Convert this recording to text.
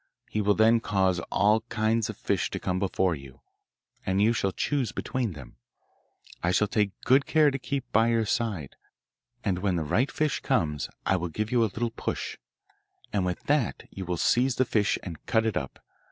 He will then cause all kinds of fish to come before you, and you shall choose between them. I shall take good care to keep by your side, and when the right fish comes I will give you a little push, and with that you will seize the fish and cut it up.